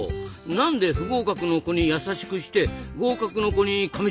なんで不合格の子に優しくして合格の子にかみつくんです？